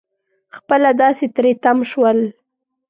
خپله داسې تری تم شول.